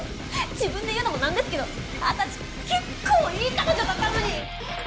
「自分で言うのもなんですけど私結構いい彼女だったのに！」